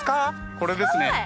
これですね。